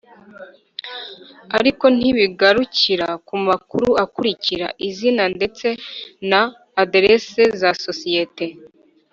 ariko ntibigarukira ku makuru akurikira: izina ndetse na aderesi za sosiyete